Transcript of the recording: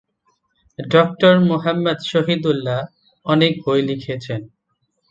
Doctor Muhammad Shahidullah অনেক বই লিখেছেন।